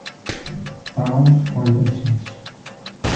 Darauf freue ich mich!